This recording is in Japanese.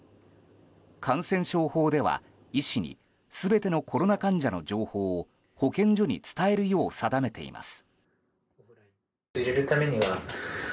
感染症法では、医師に全てのコロナ患者の情報を保健所に伝えるよう定めています。